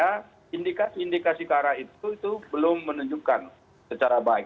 karena indikasi indikasi ke arah itu belum menunjukkan secara baik